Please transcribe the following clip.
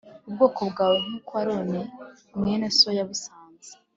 ubwoko bwawe nk uko Aroni mwene so yabusanze